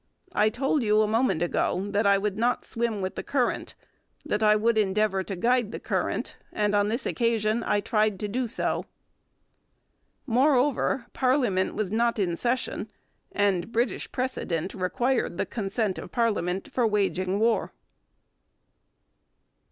I told you a moment ago that I would not swim with the current, that I would endeavour to guide the current, and on this occasion I tried to do so. Moreover, parliament was not in session, and British precedent required the consent of parliament for waging war.